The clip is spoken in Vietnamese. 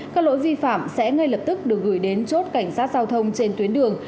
các lỗi vi phạm sẽ ngay lập tức được gửi đến chốt cảnh sát giao thông trên tuyến đường